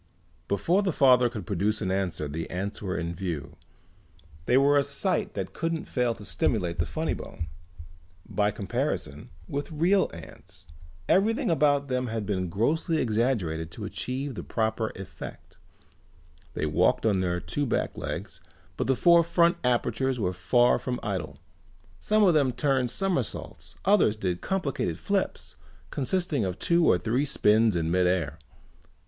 Before the father could produce an answer the ants were in view. They were a sight that couldn't fail to stimulate the funny bone. By comparison with real ants everything about them had been grossly exaggerated to achieve the proper effect. They walked on their two back legs but the four front apertures were far from idle. Some of them turned somersaults, others did complicated flips consisting of two or three spins in mid air.